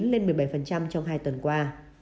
lên một mươi bảy trong hai tuần qua